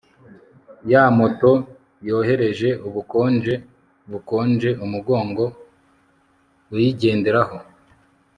ya moto yohereje ubukonje bukonje umugongo. uyigenderaho